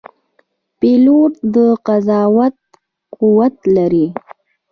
پیلوټ د قضاوت قوت لري.